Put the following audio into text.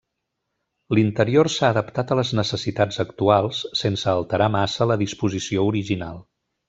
L'interior s'ha adaptat a les necessitats actuals, sense alterar massa la disposició original.